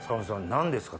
何ですか？